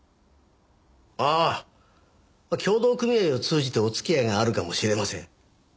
ああ協同組合を通じてお付き合いがあるかもしれません。